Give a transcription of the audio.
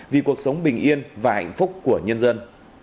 vì cuộc sống bình yên và hạnh phúc của nhân dân